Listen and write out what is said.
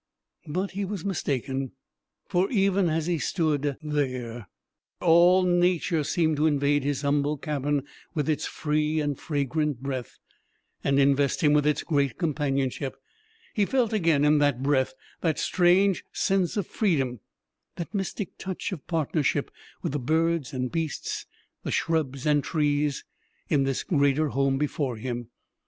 But he was mistaken. For even as he stood there all nature seemed to invade his humble cabin with its free and fragrant breath, and invest him with its great companionship. He felt again, in that breath, that strange sense of freedom, that mystic touch of partnership with the birds and beasts, the shrubs and trees, in this greater home before him.